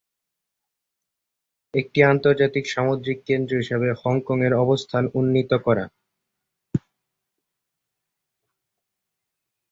একটি আন্তর্জাতিক সামুদ্রিক কেন্দ্র হিসাবে হংকং-এর অবস্থান উন্নীত করা।